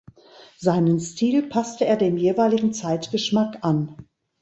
Seinen Stil passte er dem jeweiligen Zeitgeschmack an.